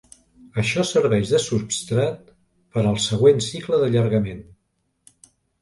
Això serveix de substrat per al següent cicle d'allargament.